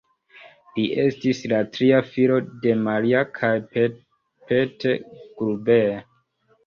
Li estis la tria filo de Maria kaj Peter Gruber.